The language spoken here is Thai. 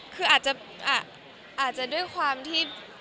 คืออาจจะอาจจะด้วยความที่